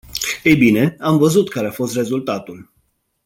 Ei bine, am văzut care a fost rezultatul.